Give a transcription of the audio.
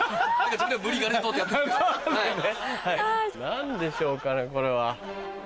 何でしょうかねこれは。